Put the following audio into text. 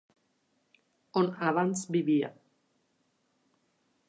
On abans vivia.